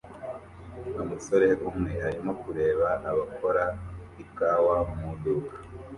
Umusore umwe arimo kureba abakora ikawa mu iduka